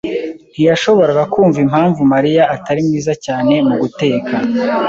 ntiyashoboraga kumva impamvu Mariya atari mwiza cyane muguteka.